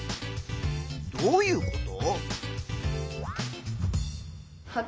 どういうこと？